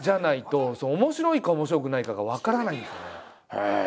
へえ！